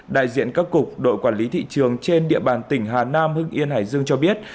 đại diện các cục đội quản lý thị trường trên địa bàn tỉnh hà nam hưng yên hải dương cho biết